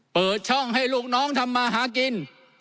เปิดช่องให้ลูกน้องทำมาหากิน